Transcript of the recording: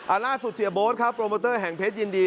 ล่าสุดเสียโบ๊ทครับโปรโมเตอร์แห่งเพชรยินดี